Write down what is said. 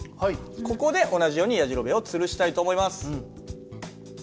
ここで同じようにやじろべえをつるしたいと思います。